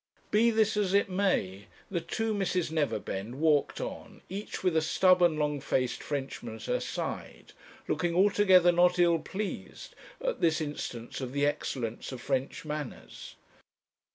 Be this as it may, the two Misses Neverbend walked on, each with a stubborn long faced Frenchman at her side, looking altogether not ill pleased at this instance of the excellence of French manners.